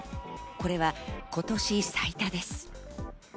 これは今年最多です。